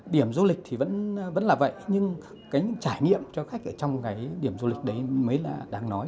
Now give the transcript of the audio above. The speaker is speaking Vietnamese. điểm du lịch thì vẫn là vậy nhưng cái trải nghiệm cho khách ở trong cái điểm du lịch đấy mới là đáng nói